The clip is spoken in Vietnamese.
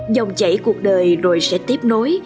dòng chảy cuộc đời rồi sẽ tiếp nối